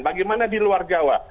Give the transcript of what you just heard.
bagaimana di luar jawa